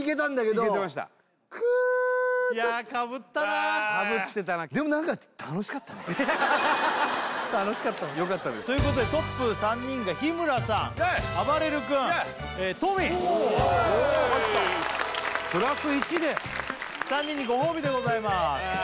ちょっいやかぶったな楽しかったのよかったですということでトップ３人が日村さんあばれる君トミーおお入ったプラス１で３人にご褒美でございます